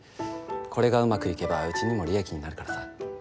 これがうまくいけばうちにも利益になるからさ。